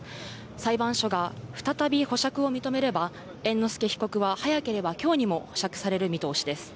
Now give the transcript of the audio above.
裁判所が再び保釈を認めれば、猿之助被告は早ければきょうにも保釈される見通しです。